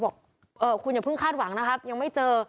บอกคุณอย่าเพิ่งคาดหวังนะครับยังไม่เจอ